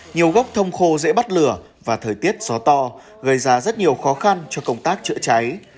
nhiều gốc thông khô dễ bắt lửa và thời tiết gió to gây ra rất nhiều khó khăn cho công tác chữa cháy